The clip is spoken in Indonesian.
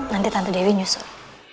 nanti tante dewi nyusul